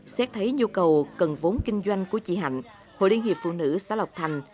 xét thấy nhu cầu cần vốn kinh doanh của chị hạnh hội liên hiệp phụ nữ xã lộc thành